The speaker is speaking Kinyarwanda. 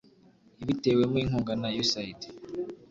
ibitewemo inkunga na usaid